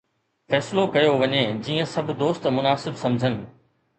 فيصلو ڪيو وڃي جيئن سڀ دوست مناسب سمجهن